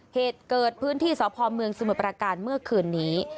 เหตุเกิดพื้นที่สพเมืองสมุทรประการเมื่อคืนนี้